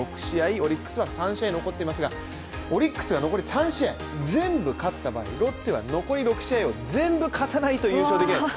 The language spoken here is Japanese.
オリックスは３試合残っていますが、オリックスが残り３試合全部勝った場合、ロッテは残り６試合を全部勝たないと優勝できない。